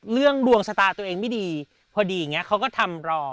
เรื่องดวงชะตาตัวเองไม่ดีเพราะดีเขาก็ทำรอ